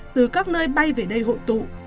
từ các nơi bay về đây hội tụ